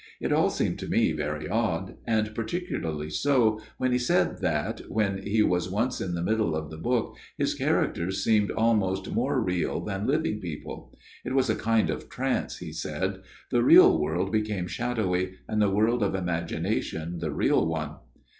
It all seemed to me very odd, and particularly so when he said that, when he was once in the middle of the book, his characters seemed almost more real than living people ; it was a kind of trance, he said ; the real world became shadowy, and the world of imagination the real one.